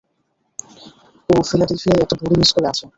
ও ফিলাডেলফিয়ায় একটা বোর্ডিং স্কুলে আছে।